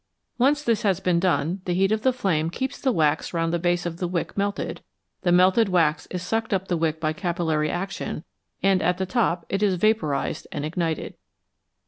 Once this has been done, the heat of the flame keeps the wax round the base of the wick melted, the melted wax is sucked up the wick by capillary action, and at the top it is vapourised and ignited.